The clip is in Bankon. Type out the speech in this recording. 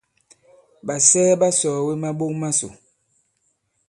Ɓàsɛɛ ɓa sɔ̀ɔ̀we maɓok masò.